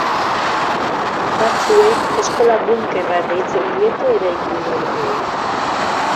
Batzuek eskola-bunkerrak deitzen diete eraikin horiei.